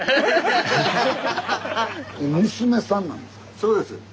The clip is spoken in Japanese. そうです。